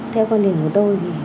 theo quan điểm của tôi